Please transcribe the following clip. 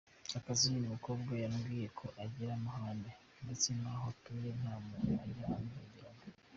Abazi uyu mukobwa bambwiye ko agira amahane, ndetse aho atuye nta muntu ujya amuvugiramo.